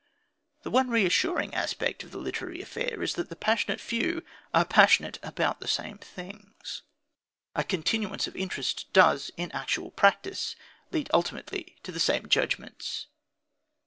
The one reassuring aspect of the literary affair is that the passionate few are passionate about the same things. A continuance of interest does, in actual practice, lead ultimately to the same judgments.